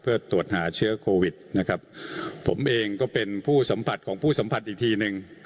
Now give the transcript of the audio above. เพื่อตรวจหาเชื้อโควิดนะครับผมเองก็เป็นผู้สัมผัสของผู้สัมผัสอีกทีหนึ่ง